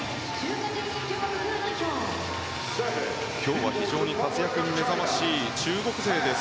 今日は非常に活躍が目覚ましい中国勢です。